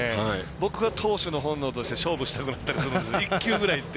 僕は投手の本能として勝負したくなるんですけど１球ぐらい。